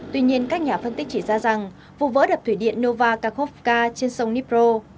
tuy nhiên các nhà phân tích chỉ ra rằng vụ vỡ đập thủy điện nova kharkovka trên sông dnipro